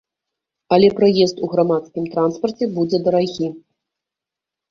Але праезд у грамадскім транспарце будзе дарагі.